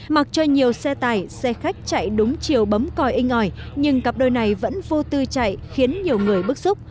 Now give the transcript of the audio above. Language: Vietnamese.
mặc cho nhiều xe tải xe khách chạy đúng chiều bấm coi inh ỏi nhưng cặp đôi này vẫn vô tư chạy khiến nhiều người bức xúc